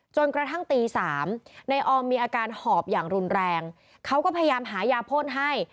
จนกระทั่งตี๓นายออมมีอาการหอบอย่างรุนแรงเขาก็พยายามหายาพ่นให้